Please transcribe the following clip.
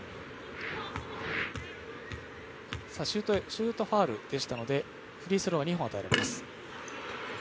シュートファウルでしたのでフリースローは２本与えられます。